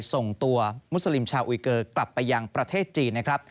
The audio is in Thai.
ส่งตัวมุสลิมชาวอุยเกอร์กลับไปยังประเทศจีนนะครับ